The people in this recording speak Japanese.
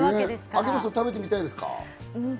秋元さん、食べてみたいですか？